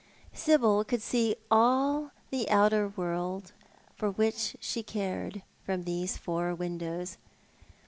Sibyl could see all the outer world for which she cared from those four windows.